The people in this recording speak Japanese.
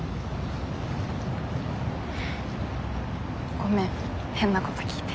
ごめん変なこと聞いて。